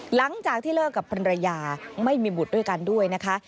หลังจากที่เลิกกับภรรยาไม่มีบุตรด้วยกันด้วยนะคะ